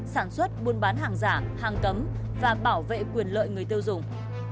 sản xuất buôn bán hàng giả hàng cấm và bảo vệ quyền lợi người tiêu dùng